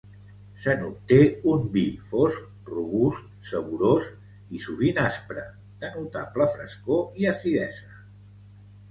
Se n'obté un vi fosc, robust, saborós, i sovint aspre, de notable frescor i acidesa.